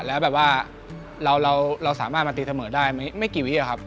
แล้วแบบว่าเราสามารถมาตีเสมอได้ไม่กี่วิครับ